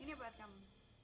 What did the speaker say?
ini buat kamu